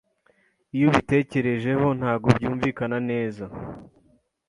Iyo ubitekerejeho ntabwo byumvikana neza.